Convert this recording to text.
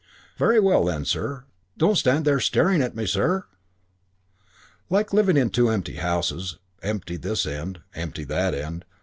Very well then, sir, don't stand there staring at me, sir!" IV Like living in two empty houses: empty this end; empty that end.